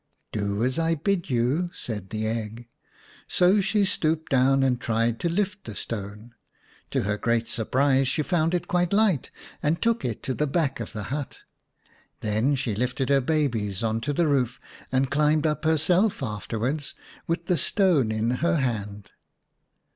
"Do as I bid you," said the egg. So she stooped down and tried to lift the stone. To her great surprise she found it quite light, and took it to the back of the hut. Then she lifted her babies on to the roof, and climbed up herself afterwards, with the stone in her hand.